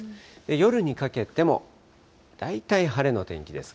夜にかけても大体晴れの天気です。